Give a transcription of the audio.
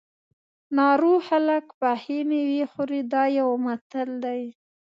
ناروغ خلک پخې مېوې خوري دا یو متل دی.